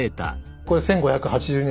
これ１５８２年